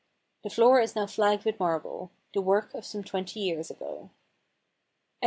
The floor is now flagged with marble — the work of some twenty years ago.